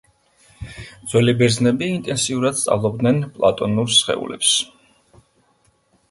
ძველი ბერძნები ინტენსიურად სწავლობდნენ პლატონურ სხეულებს.